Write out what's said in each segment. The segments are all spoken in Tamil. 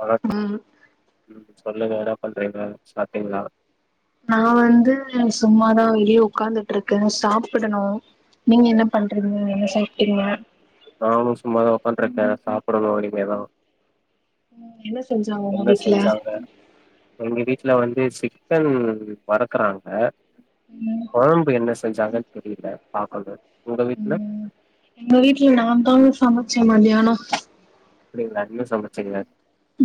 வணக் ம் [inaudible] சொல்லுங்க என்ன பண்றிங்க சாப்ட்டிங்களா நா வந்து சும்மாதா வெளிய உக்காந்துட்ருக்கே சாப்டணு நீங்க என்ன பண்றீங்க என்ன சாப்ட்டிங்க நானு சும்மாதா உக்காந்துட்ருக்கே சாப்டணு இனிமேதா ம் என்ன செஞ்சாங்க உங்க என்ன வீட்ல செஞ்சாங்க ரெமிடி வீட்ல வந்து சிக்கன் வறுக்குறாங்க ம் கொழம்பு என்ன செஞ்சாங்கன்னு தெரில பாக்கணும் உங்க வீட்ல ம் எங்க வீட்ல நாந்தா சமைச்சே மதியானோ அப்டிங்களா என்ன சமச்சிங்க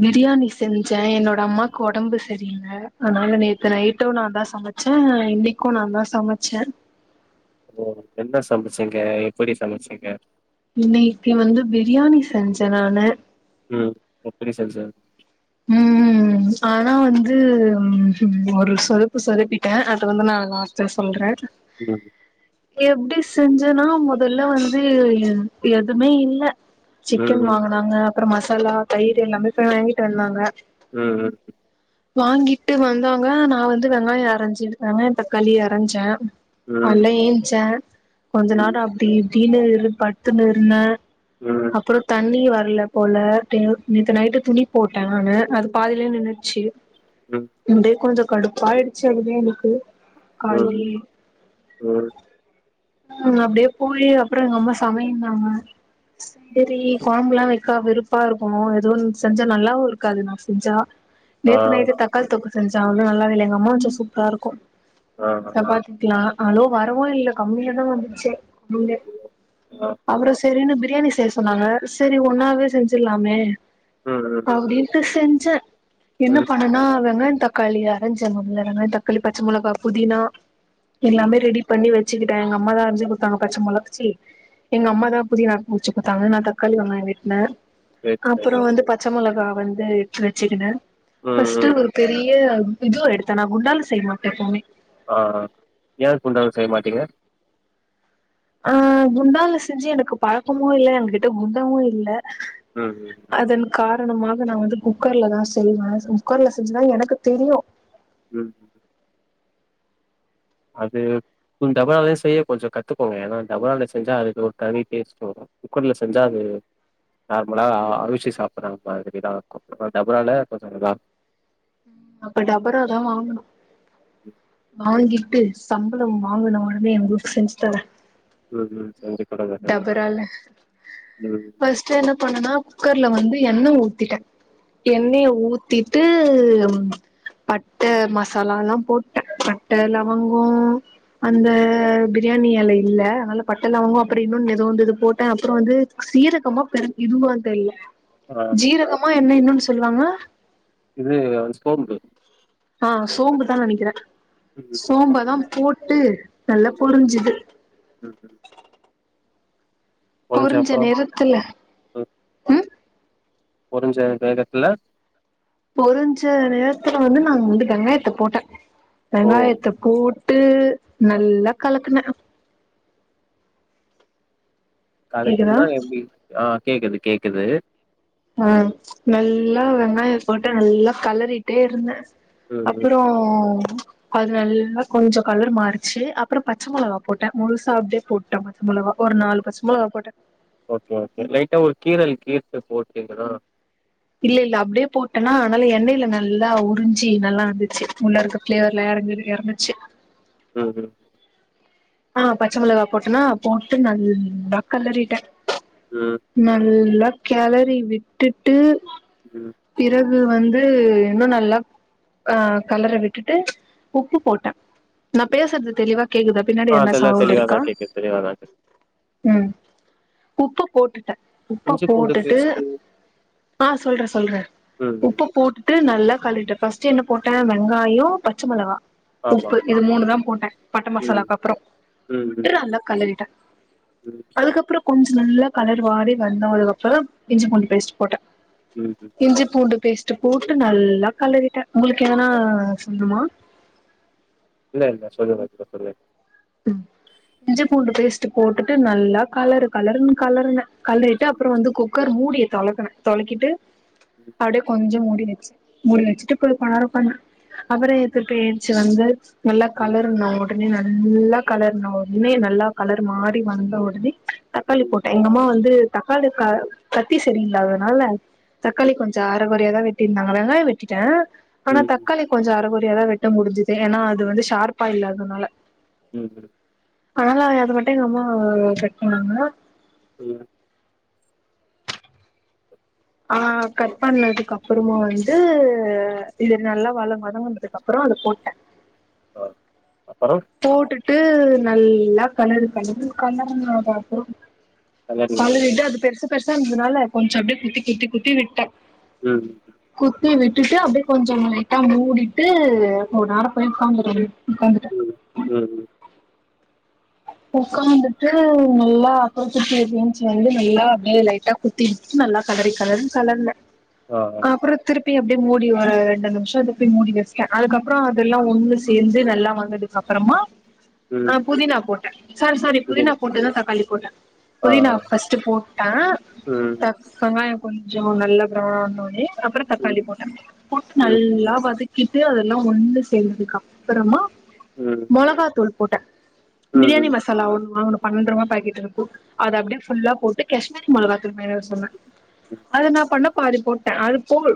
பிரியாணி செஞ்ச என்னோட அம்மாக்கு ஒடம்பு சரியில்ல அதனால நேத்து நைட்டு நா தா சமை ச்ச இன்னைக்கு நா தா சமச்ச ஓ என்ன சமைச்சிங்க எப்டி சமைச்சிங்க இன்னைக்கு வந்து பிரியாணி செஞ்ச நானு ம் எப்பிடி செஞ்ச உம்ம் ம் ஆனா வந்து ஒரு சொதப்பு சொதப்பிட்ட அது வந்து நா லாஸ்ட்ல சொல்ற உம் எப்டி செஞ்சன்னா மொதல்ல வந்து எதுமே இல்ல சிக்கன் ம் வாங்கனாங்க அப்பறோ மசாலா தயிர் எல்லாமே போய் வாங்கிட்டு வந்தாங்க ம் ம் வாங்கிட்டு வந்தாங்க நா வந்து வெங்காய அரஞ்ஜி வெங்காயோ தக்காளி அரஞ்ச ம் கால்ல ஏச்ச கொஞ்ச ம் நேரோ அப்டி இப்டீனு பட்துனு இருந்த ம் ம் அப்பறோ தண்ணி வரல போல தநவ்ச்ச் நேத்து நைட்டு துணிப் போட்ட நானு அது பாதிலே நின்னுடுச்சி ம் அப்டே கொஞ்சோ கடுப்பாயிடுச்சு அதுவே எனக்கு உம் கால்லயே உம் உம் அப்டே போயி அப்பறோ எங்க அம்மா சமைன்னாங்க சரி கொழம்புல்லா வைக்கா வெருப்பா இருக்குமோ எதோ ஒன் செஞ் நல்லாவு இருக்காது நா செஞ்சா ஆ நேத்து நைட் தக்காளி தொக்கு செஞ்சா அது நல்லாஞ் ல்ல எங்கம்மா வச்சா சூப்பரா இருக்கு ஆ சப்பாத்திக்கில்லா அளோ வரவு இல்ல கம்மியாதா வந்துச்சே மீனே ஆ அப்றோ சேரினு பிரியாணி செய்ய சொன்னாங்க சரி ஒன்னாவே செஞ்சிலாமே ம் ம் ட்டு செஞ்சே என்ன ம் பண்ணுனா வெங்காயந் தக் தக்காளி அரஞ்சகம்ல வெங்காய தக்காளி பச்ச மொளகா புதினா சரி எல்லாமே ரெடி பண்ணி வெச் வச்சுக்கிட்டே எங்க அம்மா தா அரிஞ்சி குடுத்தாங்க பச்ச மொளக் ச்சி எங்க அம்மா தா புதினா புடுச்சி குடுத்தாங்க நா தக்காளி வெங்காயோ வெட்டுனே செரி செரிங்க மொளகா வந்து எட்த்து வச்சுக்கினே ம், ஃபர்ஸ்ட் ம். ஒரு பெரிய யாகு இதுவு எடுத்தன்னா குண்டால செய்ய மாட்டே எப்போவுமே ஆ ஆ ஏ குண்டான்ல செய்ய மாட்டீங்க ஆ குண்டான்ல செஞ்சு எனக்கு பழக்கமு இல்ல எங்க கிட்ட குண்டாவு இல்ல ம், அதன் கார் ணமாக நா வந்து குக்கர்லதா செய்வே குக்கர்ல செஞ்சுதா எனக்கு தெரியு ம் அது குந் டபராலயையு செய்ய கொஞ்சோ கத்துக்கோங்க ஏன்னா டபரால செஞ்சா அதுக்கு ஒரு தனி டேஸ்ட்டு வரு குக்கர்ல செஞ்சா அது நார்மலா அருசி சாப்புறாங்க மாதிரிதா இருக்கூ டபரால கொஞ்ச நல்லாருக்கு அப்ப டபரா தா வாங்கனு வாங்கி ட்டு சம்பளம் வாங்குன ஒடனே எங்க ஊட்டுக்கு செஞ்சு தரே ம் ம் செஞ்சுக் டபரால ம், ஃபர்ஸ்ட் என்ன பண்ணனா குக்கர்ல வந்து எண்ண ஊத்திட்டே ம். எண்ணெய ஊத்திட்டு ம் பட்ட மசாலால்லா போட்டுடே பட்ட லவங்கோ ம். அந்த பிரியாணி எலை இல்ல அதுனால பட்ட லவங்கோ அப்பறோ இன்னொன்னு எதோ இருந்தது போட்டே அப்பறோ வந்து சீரகமா பெருஞ் இதுவா தெரியல ஆ ஜீரகமா என்ன இன்னோன்னு சொல்லுவாங்க இது அது சோம்பு ஆ சோம்புதா நெனக்கிறே ம், ம், சோம்பதா போட்டு நல்லா பொரிஞ்சுது ம், ம். பொரிஞ்ச பொருஞ்ச அப்புறம் நேரத்துல ம் பொருஞ்ச வேகத்துல பொருஞ்ச நேரத்துல வந்து நாங்க வந்து வெங்காயத்த போட்டே ஓ! வெங்காயத்த போட் டு அ நல்லா காலக்குனே கேக்குதா கலக்குன்னா எப்டி ஆ கேக்குது கேக்குது ஆ நல்லா வெங்காயோ போட்டு நல்லா கலறிட்டே இருந்தே ம், அப்பறோ அது நல்லா கொஞ்ச கலர் மாறுச்சு அப்பறோ பச்ச மொளகா போட்டே முழுசா அப்டியே போட்டே மொளகா ஒரு நாலு பச்ச மொளகா போட்டே ஓகே ஓகே லைட்டா ஒரு கீரல் கீ போட்டீங்களா இல்லைல்ல அப்டியே போட்டனா அனல்ல எண்ணெயில நல்லா உறிஞ்சு நல்லா இருந்துச்சு உள்ள இருக்க ப்ளேவர்ல எறங்குனு எறக்குச்சு ம் ம் ஆ பச்ச மொளகா போட்டனா போட்டு நல்ல கெலறிட்டே ம், நல்லா கெலரி விட்டுட்டு ம் அது வந்து இன்னு நல்லா ஆ கலர விட்டுட்டு உப்பு போட்டே நா பேஸ்ற்து தெளிவா கேக்குதா பின்னாடி ஆ என்ன அதெல்லாம் சவுண்ட் இருக்கா தெளிவாதான் கேக்குது தெளிவாதான் கேக்குது. ம் உப்பு போட்டுட் த உப்ப இஞ்சி பூண்டு போட்டுட்டு பேஸ்ட்டு ஆ சொல்றே சொல்றே ம் ம். உப்ப போட்டுட்டு நல்லா காலிட்ட ஃபர்ஸ்ட் என்ன போட்ட வெங்காயோ பச்ச மொளகா ஆமா. உப்பு இது மூணு தா போட்ட பட்ட மசாலா ம். அப்றோ ம், ம், [unintelligible] நல்லா கழுவிட்ட ம். அதுக்கப்றோ கொஞ்ச நல்லா கலர் வாடி வந்தோதக் அப்றோ இஞ்சி பூண்டு பேஸ்ட் போட்ட ம் ம். இஞ்சி பூண்டு பேஸ்ட் போட்டு நல்லா களறிட்ட உங்களுக்கு எதனா சொல்னுமா இல்ல இல்ல சொல்லுங்க சொல்லுங்க ம் இஞ்சி பூண்டு பேஸ்ட் போட்டுட்டு நல்லா கலரு கலருன்னு கலருன கலறிட்டு சரி அப்றோ வந்து சரி. குக்கர் மூடிய தொலக்குன தொலக்கிட்டு ம், அப்டியே கொஞ்ச மூ மூடியாச்சி மூடி வச்சிட்டு போய் பாருப்பா ன அப்ற எதிர்க்க ஏஞ்சி வந்து நல்லா ம், களர்ன ஒடனே நல்லா களர்ன ஒடனே நல்லா கலர் மாரி வந்த ஒடனே தக்காளி ம். போட்ட எங்கம்மா வந்து தக்காளி க கத்தி செரியில்லாததனால தக்காளி ம். கொஞ்ச அர கொறையாதா வெட்டிருந்தாங்க வெங்காய வெட்டிட்ட ஆனா ம் ம். தக்காளி கொஞ்ச அறகொறையா தா வெட்ட முடுஞ்சுது ஏன்னா அது வந்து ஷார்ப்பா இல்லாதனால ம் ம் அதனால அது மட்டு எங்க அம்மா கட் பண்ணாங்க ம் ஆ கட் பண்ணதுக்கு அப்றமா வந்து இது நல்லா வள வதங்குனதுக்கு அப்றோ அதுல போட்ட ஆ அப்புறம்? போட்டுட்டு நல்லா களரு களருன்னு கறரனு அத அப்றோ கெளறி விடுங்க. களறிட்டு அது பெருசு பெருசா இருந்ததுனால கொஞ்ச அப்டியே குத்தி குத்தி குத்தி விட்ட ம், குத்தி விட்டுட்டு அப்டியே கொஞ்சோ லைட்டா ட்டா மூடிட்டு கொஞ்ச நேர போய் உக்காந்துருந்த உக்காந்துட்ட ம் ம். ம் ம் உக்காந்துட்டு நல்லா அப்றோ திருப்பி என்சு வந்து நல்லா அப்டியே லைட்டா குத்தி நல்லா கலரி கலருனு கலர்ன ஆ ஆ. அப்ற திருப்பி ப்பி அப்டியே மூடி ஒரு ரெண்டு நிமிஷ திருப்பி மூடி வெச்ட அதுக்கப்ற அதெல்லா ஒன்னு சேந்து நல்லா வந்ததுக் அப் அப்றமா ம். ஆ புதினா போட்ட சாரி சாரி புதினா புரியுது. போட்டுதா தக்காளி போட்ட ஆ புதினா ஆ. ஃபர்ஸ்ட் போட்ட ம், தக் வெங்காயோ கொஞ்சோ நல்லா பிரெளனா வந்தவொட்னயே அப்ற தக்காளி ம், போட்ட போட்டு ம், நல்லா வதக்கி டுட்டு அதெல்லா ஒன்னு சேந்ததுக் அப்றமா ம், மொளகா தூள் போட்ட பிரியாணி ம், மசாலா ஒன்னு வாங்கணு பண்ணட்ரூவா பாக்கெட் இருக்கு அத அப்டியே ஃபுல்லா போட்டு காஷ்மீரி மொளாகா தூள் மேல சொன்ன ம். அத நா பண்ண பாதி போட்ட அது போல்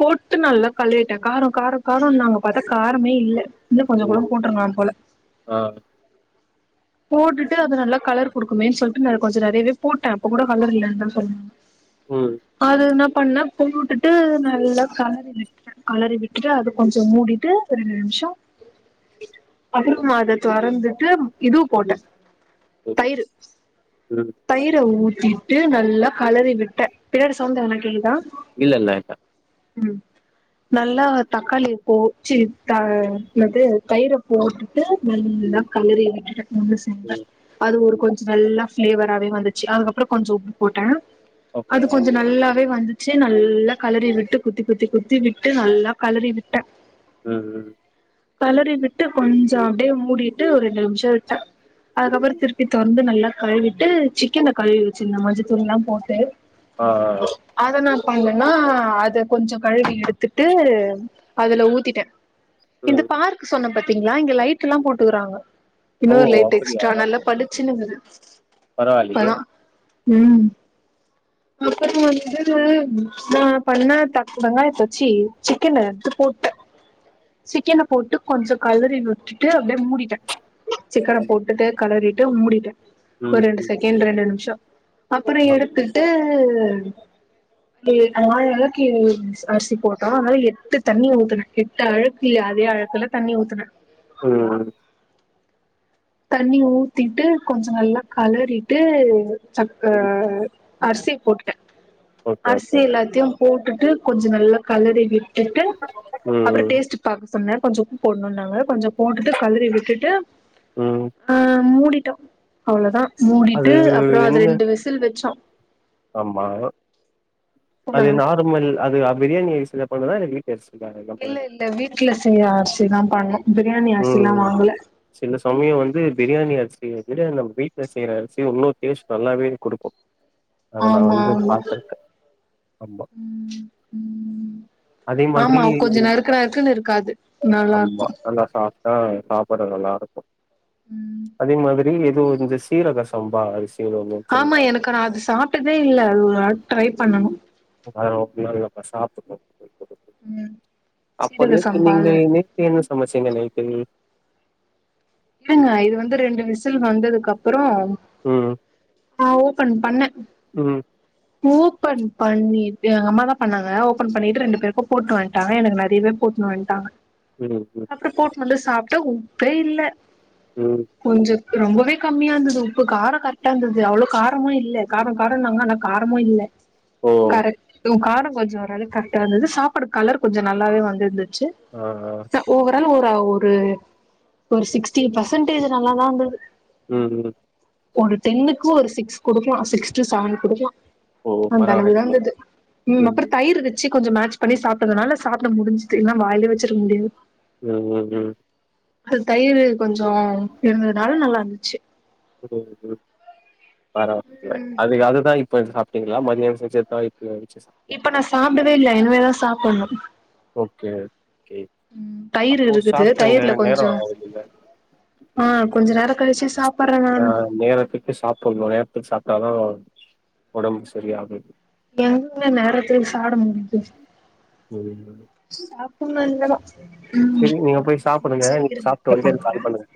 போட்டு நல்லா கலறிட்ட காரோ காரோ காரோ நாங்க பாத்தா காரமே இல்ல இன்னு கொஞ்சோ கூட ஐயயோ! போட்ருக்கலா போல ஆ. போட்டுட்டு அது நல்லா கலர் குடுக்குமேன் சொல்ட்டு நா கொஞ்சோ நறையவே போட்ட அப்பக் கூட கலர் இல்லன் தா சொல்வாங்க ம், அது என்ன பண்ண போட்டுட்டு நல்லா கலறி விட்டுட்ட கலறி விட்டுட்டு அது கொஞ்சோ மூடிட்டு ரெண்டு நிமிஷம் அப்றோம் அத தொறந்துட்டு இதுவும் போட்ட ம். தயிரு ம். தயிர ஊத்தி த்திட்டு நல்லா கலறி விட்ட பின்னாடி சவுன்ட் ‌ எதனா கேக்குதா இல்ல இல்ல லைட்டா ம் நல்லா தக்காளிய போ ச்சி த என்னது தயிர போட் டு நல்லா ம் கலறி விட்டுட ஒன்னு சேந்தா ம் அது ஒரு ம் கொஞ்ச நல்லா ஃப்ளேவராவே வந்துச்சு அதுக்கப்றோ கொஞ்ஜோ உப்பு போட்ட ஓகே அது கொஞ்ஜ நல்லாவே வந்துச் ச்சு நல்லா கலறி விட்டு குத்தி குத்தி குத்தி விட்டு நல்லா கலறி விட்ட ம் ம் கலறி விட்டு கொஞ்ஜோ அப்டியே மூடிட்டு ஒரு ரெண்டு நிமிஷ விட்ட அதுக்கப்ற திருப்பி தொறந்து நல்லா கழுவிட்டு சிக்கன கழுவி வச்சிருந்த மஞ்சத்தூள் எல்லாம் போட்டு ஆ ஆ. அத நா ப்பாங்கன்னா அத கொஞ்சம் கழுவி எடுத்துட்டு அதுல ஊத்திட்ட இது ம் பார்க்னு சொன்ன பாத்தீங்களா இங்க லைட் எல்லாம் போட்டுக்குறாங்க ஓ இன்னொரு லைட் எக்ஸ்ட்ரா நல்லா பளிச்சுனு பரவாலியே உம் அப்றோ வந்து நா பண்ண வெங்காய ச்சி சிக்கனு போட்ட சிக்கனை போட்டு கொஞ்ஜோ கலறி விட்டுட்டு அப்டியே மூடிட்ட சிக்கன ம் போட்டுட்டு கலறிட்டு மூடிட்ட ஒரு ம் ரெண்டு ம் செகண்ட் ரெண்டு நிமிஷோ அப்புறோ ஆ. எடுத்துட்டு நாலு ஆழாக்கு அரிசி போட்டோ அதனால எட்டு தண்ணிய ஊத்துன எட்டு ஆழாக்கு இல்ல அதே அழாக்குல தண்ணி ஊத்துன ம் தண்ணி ஊத்திட்டு கொஞ்ஜோ நல்லா கலறிட்டு சக்க ம் அரிசி போட்டுட்ட ஓகே அரிசி ஓகே எல்லாத்தையும் போட்டுட்டு கொஞ்ஜோ நல்லா கலறி விட் டு ம் அப்றோ ம் டேஸ்ட் பாக்க சொன்ன கொஞ்ஜோ உப்பு போடணும் நாங்க கொஞ்சம் போட்டுட்டு கலறி விட்டுட்டு ம் அ மூடிட்டோம் அவ்ளோ தான் அது மூடிட்டு அப்றோ அது என்ன ரெண்டு விசில் வச்சோம் ஆமா அது சொல்லுங்க நார்மல் அது பிரியாணி பண்ணதா இல்ல அரிசில நம்ம இல்ல இல்ல வீட்ல செய்ய அரிசி தான் பண்ணும் உம் சில சமயம் வந்து பிரியாணி அரிசி இத விட நம்ம வீட்ல செய்யிற அரிசி இன்னும் டேஸ்ட் நல்லாவே கொடுக்கும் அத நான் ஆமா வந்து ஆமா பாத்துருக்கேன் ரொம்ப ம் ம் அதே மாதிரி ஆமா கொஞ்சோ நறுக்கு நறுக்குன்னு இருக்காது நல்லா ஆமா இருக்கு நல்லா சா ஆ சாப்பாடு நல்லா இருக்கும் ம் அதே மாதிரி எதுவும் இந்த சீரக சம்பா ஒண்ணு ஆமா சொல்லுவாங்க எனக்கு நான் அது சாப்ட்டதே இல்ல அது ஒரு நாள் ட்ரை பண்ணணும் அதெல்லா ஓப்பன் ஆனதுக்கு அப்ரோ சாப்படனு போயிட்டு ம் சீரக அப்படியாக்கு சம்பால நீங்க நேத்து என்ன சமைச்சிங்க நைட்டு இல்லங்க இது வந்து ரெண்டு விசில் வந்ததுக்கு அப்றோ ம் ஆ ஓபன் பண்ண ம் ஓபன் பண்ணிட்டு எங்க அம்மா தான் பண்ணாங்க ஓபன் பண்ணிட்டு ரெண்டு பேருக்கும் போட்டு வந்டாங்க எனக்கு நறைய பேர் போட்டு வந்டாங்க ம் ம் அப்புறோ போட்டு வந்து சாப்ட்ட உப்பே இல்ல ம் கொஞ்சம் ரொம்பவே கம்மியா இருந்தது இப்ப காரோ கரெக்டா இருந்தது அவ்ளோ காரமும் இல்ல காரோ காரோ நாங்க ஆனா காரமும் இல்ல ஓ கரெக்ட் காரோ கொஞ்ஜோ ஓரளவு கரெக்டா வந்தது சாப்பாடு கலர் கொஞ்ஜோ நல்லாவே வந்துருந்தது ச்சு ஆ ஆ ஒ ஓவர ஆலா ஒரு ஒரு ஒரு சிக்ஸ்டி பர்சன்டேஜ் நல்லாதான் வந்தது உஹம் உம் ஒரு டென்னுக்கும் ஒரு சிக்ஸ் குடுக்கலாம் சிக்ஸ் டு செவன் குடுக்கலாம் ஓ அந்த அளவுதான் பரவாயில்லைங்க இந்தது உம் ம் அப்புறம் தயிர் வச்சு கொஞ்சம் மாட்ச் பண்ணி சாப்பிறதுனால சாப்பிட முடிஞ்சுது இல்லன்னா வாயில வச்சிர்க்க முடியாது ஹம் உம் உஹம் அது தயிர் கொஞ்சம் இருந்ததுனால நல்லா இருந்துச்சு ம் ம் பரவால்ல ம் அதுக்காக தான் இப்ப சாப்பிட்டீங்களா மதியம் [unintelligible] சாப்ட்டீங் இப்ப நான் சாப்பிடவே இல்லை இனிவேதான் சாப்பிடணும் சே உம் தயிர் இருக்குது தயிர்ல நேரோ கொஞ்சோம் ஆகுதுங்க ஆஹ் கொஞ்ச நேர கழிச்சு சாப் ஆஹ் நேரத்துக்கு சாப்பிடணும் நேரத்துக்கு சாப்பிட்டாதான் உடம்பு சரியாகும் எங்கங்க நேரத்துக் சாப்ட முடியுது ம் சாப்பிடணு இனிமே தா சரி நீங்க போய் சாப்பிடுங்க நீங்க இருங்க சாப்பிட்டு அப்றோ வந்து எனக்கு பண்றே கால் பண்ணுங்க